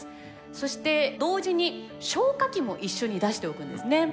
そして同時に消火器も一緒に出しておくんですね。